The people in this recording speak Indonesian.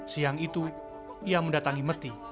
siang itu ia mendatangi meti